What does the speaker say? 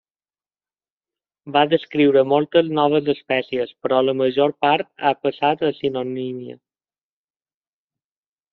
Va descriure moltes noves espècies, però la major part ha passat a sinonímia.